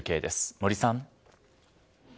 森さん。